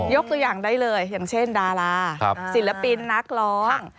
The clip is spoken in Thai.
ตัวอย่างได้เลยอย่างเช่นดาราศิลปินนักร้อง